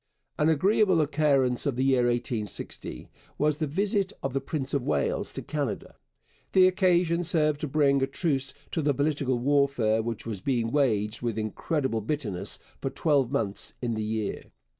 An agreeable occurrence of the year 1860 was the visit of the Prince of Wales to Canada. The occasion served to bring a truce to the political warfare which was being waged with incredible bitterness for twelve months in the year.